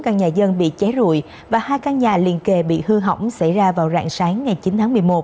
bốn căn nhà dân bị ché rụi và hai căn nhà liên kề bị hư hỏng xảy ra vào rạng sáng ngày chín tháng một mươi một